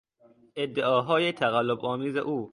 ادعاهای تقلبآمیز او